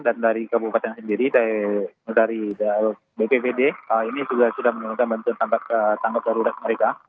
dan dari kabupaten sendiri dari bppd ini juga sudah menyuruhkan bantuan tanggap darurat mereka